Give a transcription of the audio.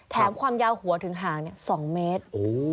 ความยาวหัวถึงห่าง๒เมตร